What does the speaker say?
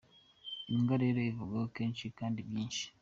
Imbwa rero ivugwaho kenshi kandi byinshi.